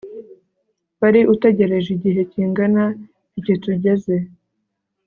Wari utegereje igihe kingana iki tugeze